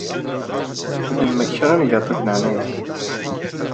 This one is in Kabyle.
Ddem kra n lgaṭu deg leɛnaya-m.